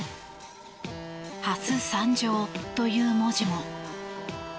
「ハス参上」という文字も。